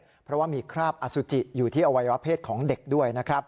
เพราะว่ามีคราบอสุจิอยู่ที่อวัยวะเพศของเด็กด้วยนะครับ